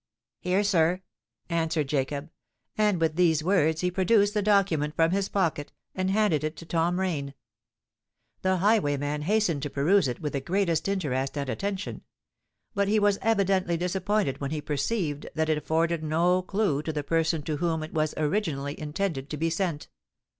"Here, sir," answered Jacob; and with these words he produced the document from his pocket, and handed it to Tom Rain. The highwayman hastened to peruse it with the greatest interest and attention; but he was evidently disappointed when he perceived that it afforded no clue to the person to whom it was originally intended to be sent.